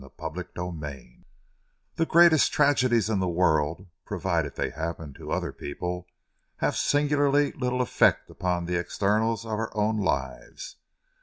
CHAPTER XIV The greatest tragedies in the world, provided they happen to other people, have singularly little effect upon the externals of our own lives.